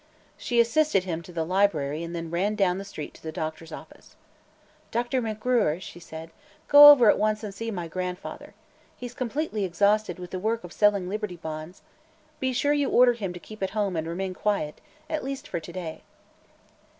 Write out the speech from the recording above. She assisted him to the library and then ran down the street to the doctor's office. "Dr. McGruer," she said, "go over at once and see my grandfather. He's completely exhausted with the work of selling Liberty Bonds. Be sure you order him to keep at home and remain quiet at least for to day."